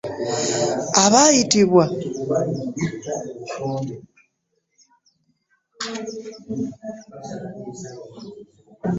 Abaayitiddwa okuwulira omusango bazze wabula ate eyaguzza y'atazze.